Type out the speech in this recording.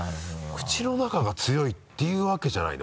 口の中が強いっていうわけじゃないんだ。